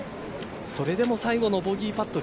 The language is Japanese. それでも最後のボギーパット